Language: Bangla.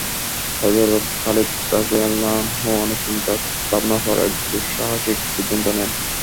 হযরত খালিদ রাযিয়াল্লাহু আনহু অনেক চিন্তা-ভাবনার পর এক দুঃসাহসিক সিদ্ধান্ত নেন।